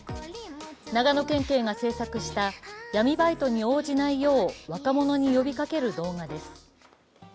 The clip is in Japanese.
長野県警が制作した闇バイトに応じないよう若者に呼びかける動画です。